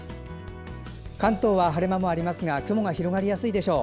関東は晴れ間もありますが雲が広がりやすいでしょう。